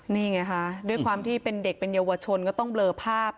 นี่ไงค่ะด้วยความที่เป็นเด็กเป็นเยาวชนก็ต้องเบลอภาพ